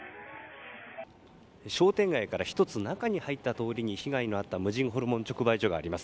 商店街から１つ中に入った通りに被害のあった無人ホルモン直売所があります。